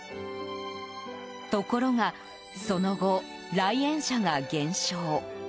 ところがその後、来園者が減少。